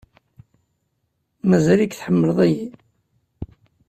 Mazal-ik tḥemmleḍ-iyi?